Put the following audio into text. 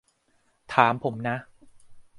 ถามผมนะ